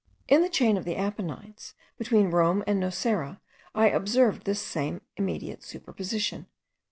In the chain of the Apennines, between Rome and Nocera, I observed this same immediate superposition.